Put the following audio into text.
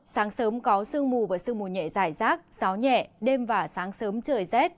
sáng sớm có sương mù và sương mù nhẹ dài rác gió nhẹ đêm và sáng sớm trời rét